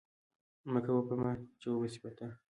مه کوه په ما، چې وبه سي په تا!